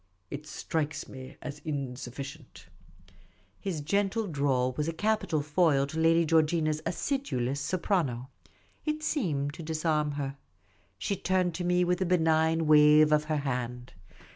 It strikes me as insufficient." His gentle drawl was a capital foil to Lady Georgina' s acidulous soprano. It seemed to disarm her. She turned to me with a benignant wave of her hand.